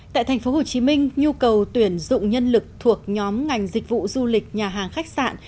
tại thành phố hồ chí minh nhu cầu tuyển dụng nhân lực thuộc nhóm ngành dịch vụ du lịch nhà hàng khách sạn